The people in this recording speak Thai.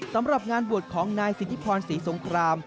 สำหรับงานบวชของนายสิทธิพรศรีสงคราม